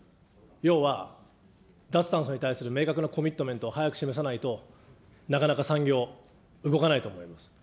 要は、脱炭素に対する明確なコミットメントを早く示さないと、なかなか産業動かないと思います。